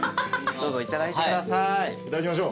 どうぞいただいてください。